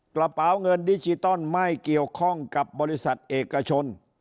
กระเป๋าเงินดิจิตอลไม่เกี่ยวข้องกับบริษัทเอกชน